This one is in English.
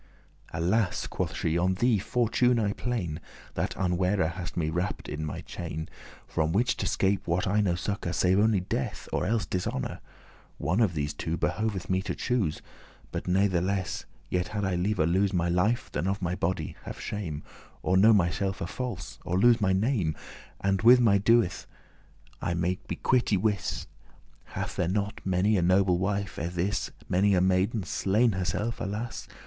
"Alas!" quoth she, "on thee, Fortune, I plain,* *complain That unware hast me wrapped in thy chain, From which to scape, wot I no succour, Save only death, or elles dishonour; One of these two behoveth me to choose. But natheless, yet had I lever* lose *sooner, rather My life, than of my body have shame, Or know myselfe false, or lose my name; And with my death *I may be quit y wis.* *I may certainly purchase Hath there not many a noble wife, ere this, my exemption* And many a maiden, slain herself, alas!